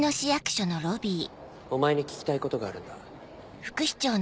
お前に聞きたいことがあるんだ。